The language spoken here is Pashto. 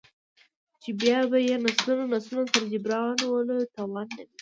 ،چـې بـيا بـه يې نسلونه نسلونه سـره د جـبران ولـو تـوان نـه وي.